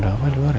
ada apa di luar ya